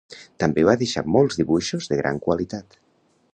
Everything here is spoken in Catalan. També va deixar molts dibuixos de gran qualitat.